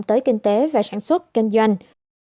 tới kinh tế và sản xuất kinh doanh